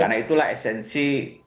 karena itulah esensi